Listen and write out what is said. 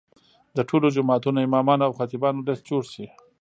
د ټولو جوماتونو امامانو او خطیبانو لست جوړ شي.